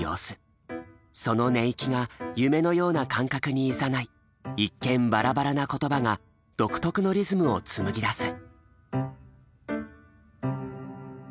その寝息が夢のような感覚にいざない一見バラバラな言葉が独特のリズムを紡ぎ出す。